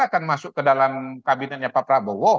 akan masuk ke dalam kabinetnya pak prabowo